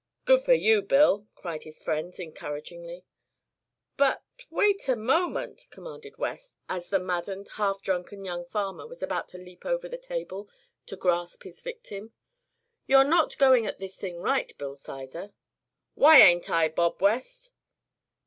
"Good fer you, Bill!" cried his friends, encouragingly. "But wait a moment!" commanded West, as the maddened, half drunken young farmer was about to leap over the table to grasp his victim; "you're not going at this thing right, Bill Sizer." "Why ain't I, Bob West?"